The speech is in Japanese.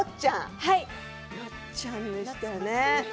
よっちゃん役でしたね。